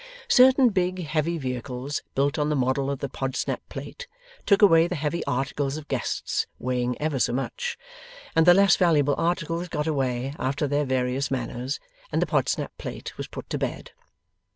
Certain big, heavy vehicles, built on the model of the Podsnap plate, took away the heavy articles of guests weighing ever so much; and the less valuable articles got away after their various manners; and the Podsnap plate was put to bed.